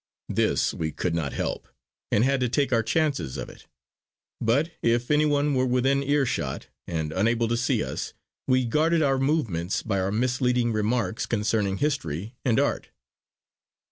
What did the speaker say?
This we could not help, and had to take our chances of it; but if anyone were within ear shot and unable to see us, we guarded our movements by our misleading remarks concerning history and art.